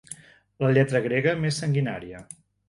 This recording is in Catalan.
La lletra grega més sanguinària.